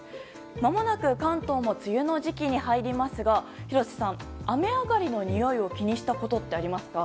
まもなく関東も梅雨の時期に入りますが廣瀬さん、雨上がりのにおいを気にしたことはありますか。